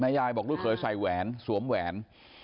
ยายบอกลูกเคยใส่แหวนสวมแหวน